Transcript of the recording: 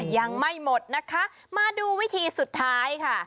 ยังไม่หมดนะคะมาดูวิธีสุดท้ายค่ะ